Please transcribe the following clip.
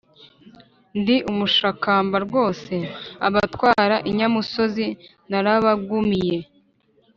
ndi umushakamba rwose, abatwara inyamusozi narabagumiye.